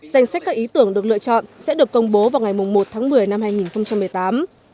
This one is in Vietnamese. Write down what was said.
danh sách các ý tưởng được lựa chọn sẽ được công bố vào ngày một tháng một mươi năm hai nghìn một mươi tám